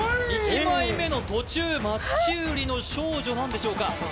１枚目の途中マッチうりの少女なんでしょうか